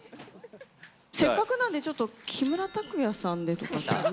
せっかくなんで、ちょっと、木村拓哉さんで。